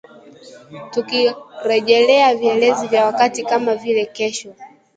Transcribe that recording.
Tukirejelea vielezi vya wakati kama vile kesho